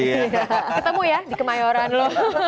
ketemu ya di kemayoran loh